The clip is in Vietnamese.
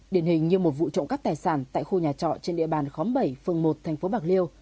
điển hình như một vụ trộm các tài sản tại khu nhà trọ trên địa bàn khóm bảy phường một tp bạc liêu